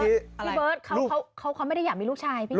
พี่เบิร์ตเขาไม่ได้อยากมีลูกชายพี่